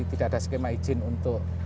tidak ada skema izin untuk